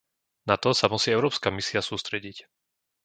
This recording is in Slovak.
Na to sa musí Európska misia sústrediť.